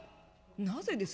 「なぜです。